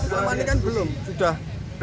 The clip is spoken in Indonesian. harmonikan belum sudah